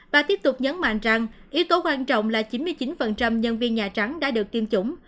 bà tiếp tục nhấn mạnh rằng yếu tố quan trọng là chín mươi chín nhân viên nhà trắng đã được tiêm chủng